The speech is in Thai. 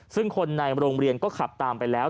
ซึ่งคนในโรงเรียนก็ขับตามไปแล้ว